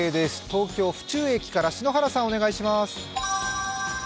東京・府中駅から篠原さん、お願いします。